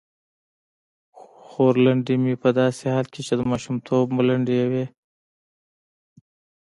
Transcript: خورلنډې مې په داسې حال کې چې د ماشومتوب ملنډې یې وې.